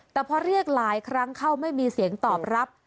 แต่พอเรียกหลายครั้งเข้าไม่มีเสียงตอบรับ